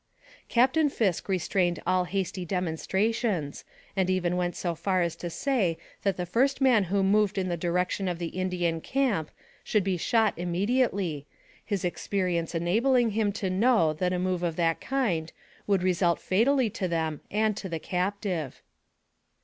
Captain Fisk restrained all hasty demonstrations, AMONG THE SIOUX INDIANS. 151 and even went so far as to say that the first man who moved in the direction of the Indian camp should be shot immediately, his experience enabling him to know that a move of that kind would result fatally to them and to the captive.